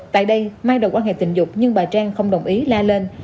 tại đây mai đầu quan hệ tình dục nhưng bà trang không đồng ý la lên